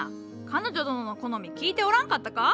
彼女殿の好み聞いておらんかったか？